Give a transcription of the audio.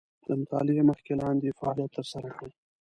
د مطالعې مخکې لاندې فعالیت تر سره کړئ.